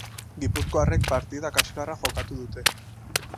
Gipuzkoarrek partida kaskarra jokatu dute.